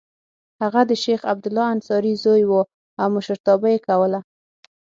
هغه د شیخ عبدالله انصاري زوی و او مشرتابه یې کوله.